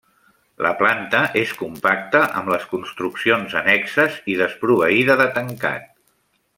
La planta és compacta amb les construccions annexes i desproveïda de tancat.